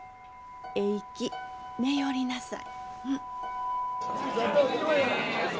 えいき寝よりなさい。